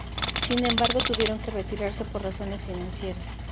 Sin embargo tuvieron que retirarse por razones financieras.